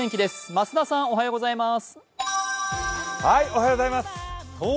増田さん、おはようございます。